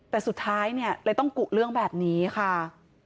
แต่สุดท้ายเนี่ยเลยต้องกุเรื่องแบบนี้ค่ะ